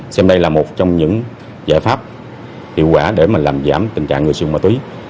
xem đây là một trong những giải pháp hiệu quả để làm giảm tình trạng người siêu ma túy